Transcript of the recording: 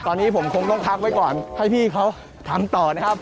ตอนนี้ผมคงต้องพักไว้ก่อนให้พี่เขาทำต่อนะครับ